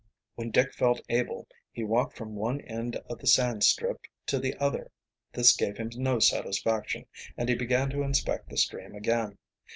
When Dick felt able he walked from one end of the sand strip to the other. This gave him no satisfaction, and he began to inspect the stream again.